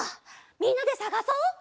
みんなでさがそっ！